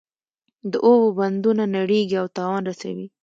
د اوبو بندونه نړیږي او تاوان رسوي.